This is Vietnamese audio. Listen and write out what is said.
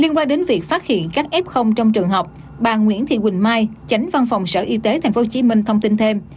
liên quan đến việc phát hiện các f trong trường học bà nguyễn thị quỳnh mai chánh văn phòng sở y tế tp hcm thông tin thêm